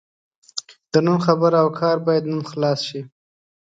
د نن خبره او کار باید نن خلاص شي.